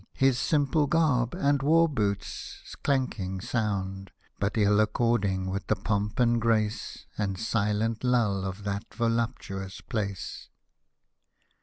His simple garb and war boots' clanking sound But ill according with the pomp and grace And silent lull of that voluptuous place.